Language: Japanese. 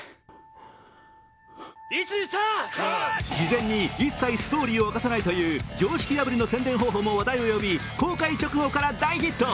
事前に一切ストーリーを出さないという、常識破りの宣伝方法も話題を呼び、公開直後から大ヒット。